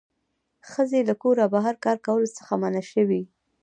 ښځې له کوره بهر کار کولو څخه منع شوې